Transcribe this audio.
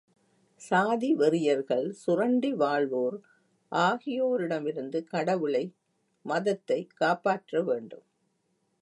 சாதி வெறியர்கள், சுரண்டி வாழ்வோர் ஆகியோரிடமிருந்து கடவுளை, மதத்தைக் காப்பாற்ற வேண்டும்.